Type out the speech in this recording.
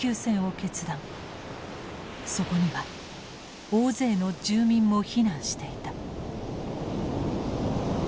そこには大勢の住民も避難していた。